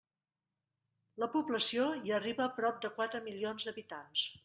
La població hi arriba a prop de quatre milions d'habitants.